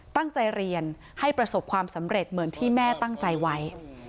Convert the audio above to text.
ตั้งใจเรียนให้ประสบความสำเร็จเหมือนที่แม่ตั้งใจไว้